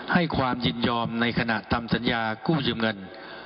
ให้ความยินยอมในขณะทำสัญญากู้ยืมเงิน